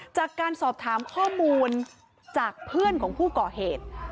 จากการสอบถามข้อมูลจากเพื่อนของผู้ก่อเหตุ